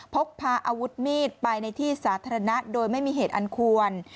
พกพาอาวุธมีดไปในที่สาธารณะโดยไม่มีเหตุอันควร